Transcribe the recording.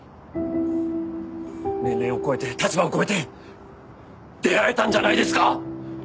年齢を越えて立場を越えて出会えたんじゃないですか。